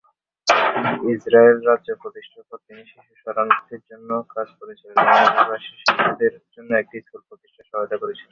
Israel রাজ্য প্রতিষ্ঠার পর, তিনি শিশু শরণার্থীদের জন্য কাজ করেছিলেন এবং অভিবাসী শিশুদের জন্য একটি স্কুল প্রতিষ্ঠায় সহায়তা করেছিলেন।